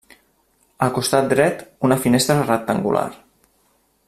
Al costat dret, una finestra rectangular.